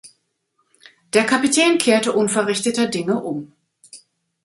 Der Kapitän kehrte unverrichteter Dinge um.